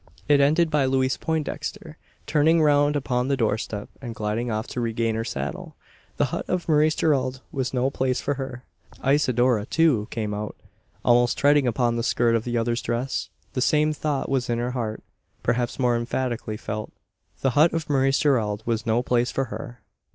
It ended by Louise Poindexter turning round upon the doorstep, and gliding off to regain her saddle. The hut of Maurice Gerald was no place for her! Isidora too came out, almost treading upon the skirt of the other's dress. The same thought was in her heart perhaps more emphatically felt. The hut of Maurice Gerald was no place for her!